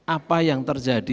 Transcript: apa yang terjadi